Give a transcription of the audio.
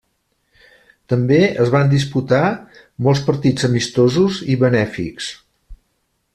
També es van disputar molts partits amistosos i benèfics.